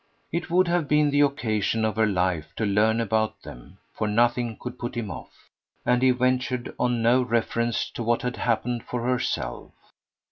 It would have been the occasion of her life to learn about them, for nothing could put him off, and he ventured on no reference to what had happened for herself.